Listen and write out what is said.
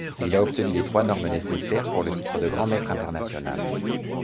Il a obtenu les trois normes nécessaires pour le titre de grand maître international.